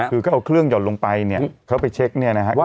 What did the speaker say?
คือเขาเอาเครื่องหย่อนลงไปเนี่ยเขาไปเช็คเนี่ยนะครับ